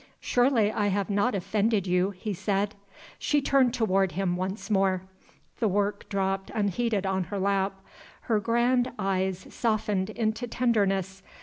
"Surely I have not offended you?" he said. She turned toward him once more. The work dropped unheeded on her lap. Her grand eyes softened into tenderness.